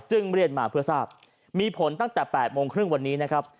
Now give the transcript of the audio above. เรียนมาเพื่อทราบมีผลตั้งแต่๘โมงครึ่งวันนี้นะครับ